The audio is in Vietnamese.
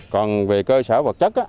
còn về cơ sở vật chất